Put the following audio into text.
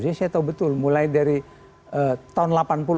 jadi saya tahu betul mulai dari tahun seribu sembilan ratus delapan puluh empat